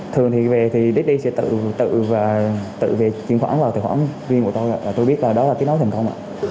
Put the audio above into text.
thường thì sugar baby sẽ tự về kiếm khoản vào khoản viên của tôi và tôi biết là đó là kết nối thành công